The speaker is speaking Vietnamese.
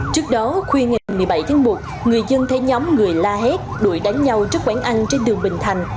trước đó khuya ngày một mươi bảy tháng một người dân thấy nhóm người la hét đuổi đánh nhau trước quán ăn trên đường bình thành